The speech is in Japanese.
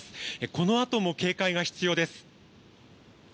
このあとも警戒が必要です。